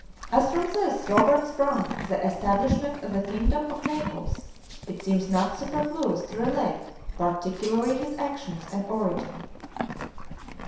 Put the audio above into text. As from this Robert sprung the establishment of the kingdom of Naples, it seems not superfluous to relate particularly his actions and origin.